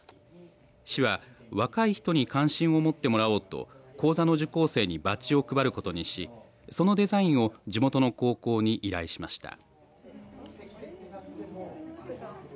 市は、若い人に関心をもってもらおうと講座の受講生にバッジを配ることにしそのデザインを地元の高校に依頼しました。